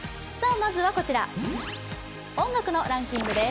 まずはこちら、音楽のランキングです。